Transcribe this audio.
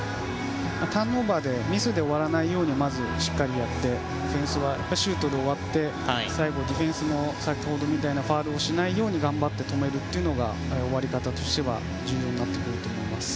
ターンオーバーでミスで終わらないようにまずしっかりやってオフェンスはシュートで終わって最後、ディフェンスも先ほどみたいなファウルしないように頑張って止めるというのが終わり方としては重要になってくると思います。